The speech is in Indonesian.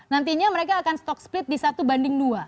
nantinya mereka akan stock split di satu banding dua